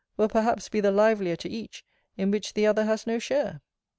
] will perhaps be the livelier to each, in which the other has no share.'